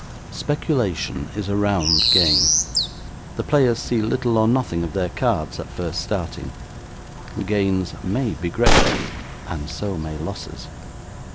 Speculation is a round game; the players see little or nothing of their cards at first starting; gains MAY be great and so may losses.